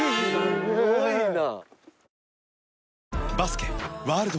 すごいな。